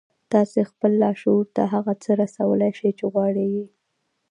تاسې خپل لاشعور ته هغه څه رسولای شئ چې غواړئ يې.